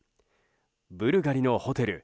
ブルガリのホテル